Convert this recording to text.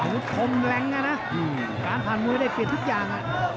คมแรงนะการผ่านมวยได้เปลี่ยนทุกอย่าง